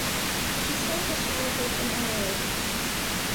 He spent his childhood in Annerley.